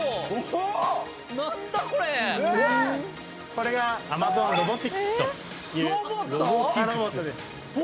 これがＡｍａｚｏｎロボティクスというロボットです。